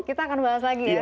kita akan bahas lagi ya